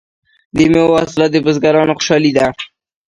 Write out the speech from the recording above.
د میوو حاصلات د بزګرانو خوشحالي ده.